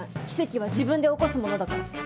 奇跡は自分で起こすものだから。